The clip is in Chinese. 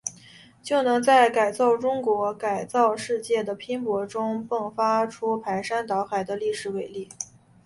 就能在改造中国、改造世界的拼搏中，迸发出排山倒海的历史伟力。